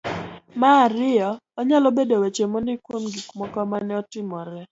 ma ariyo .Onyalo bedo weche mondiki kuom gik moko ma ne otimore.